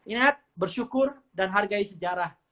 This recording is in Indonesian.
ingat bersyukur dan hargai sejarah